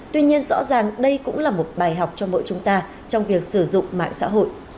tuy nhiên rõ ràng đây cũng là một bài học cho mỗi chúng ta trong việc sử dụng mạng xã hội